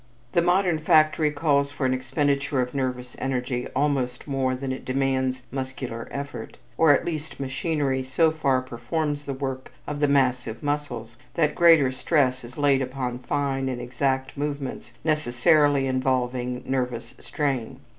The modern factory calls for an expenditure of nervous energy almost more than it demands muscular effort, or at least machinery so far performs the work of the massive muscles, that greater stress is laid upon fine and exact movements necessarily involving nervous strain.